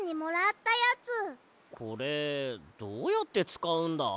これどうやってつかうんだ？